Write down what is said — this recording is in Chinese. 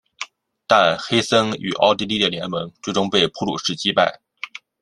但黑森与奥地利的联盟最终被普鲁士击败。